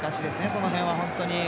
その辺は本当に。